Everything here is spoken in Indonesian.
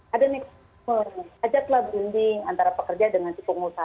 ada nih ajaklah bunding antara pekerja dengan cipu umur